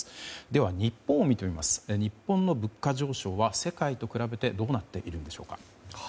では、日本の物価上昇は世界と比べてどうなっているのでしょうか。